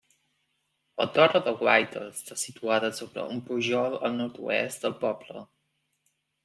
La torre de guaita està situada sobre un pujol al nord-oest del poble.